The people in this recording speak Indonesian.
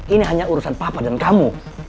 ini hanya urusan papa dengan kamu